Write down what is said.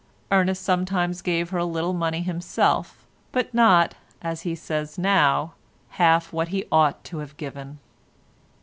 Ernest sometimes gave her a little money himself, but not, as he says now, half what he ought to have given.